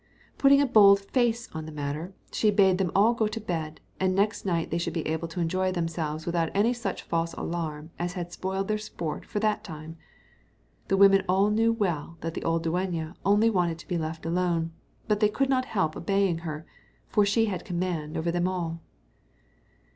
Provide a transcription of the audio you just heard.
Putting a bold face on the matter, she bade them all go to bed, and next night they should be able to enjoy themselves without any such false alarm as had spoiled their sport for that time. The women all knew well that the old dueña only wanted to be left alone; but they could not help obeying her, for she had command over them all.